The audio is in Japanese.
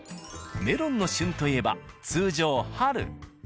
メロンの旬といえば通常春。